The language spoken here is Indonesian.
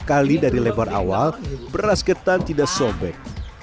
kali dari lebar awal beras getan tidak sobek